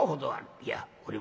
いやこれも。